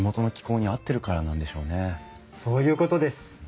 そういうことです。